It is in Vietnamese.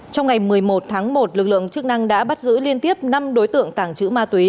trong ngày một mươi một tháng một lực lượng chức năng đã bắt giữ liên tiếp năm đối tượng tàng trữ ma túy